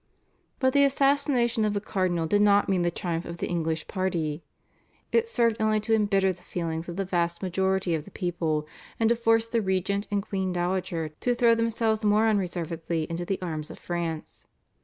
But the assassination of the cardinal did not mean the triumph of the English party. It served only to embitter the feelings of the vast majority of the people, and to force the regent and queen dowager to throw themselves more unreservedly into the arms of France.